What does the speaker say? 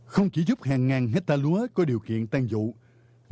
không chỉ giúp hàng ngàn hecta lúa có điều kiện tăng dụng